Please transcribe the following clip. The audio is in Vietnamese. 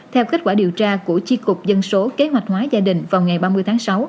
theo kết quả điều tra của chi cục dân số kế hoạch hóa gia đình vào ngày ba mươi tháng sáu